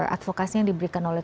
advokasinya yang diberikan oleh